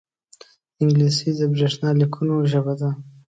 انګلیسي د برېښنا لیکونو ژبه ده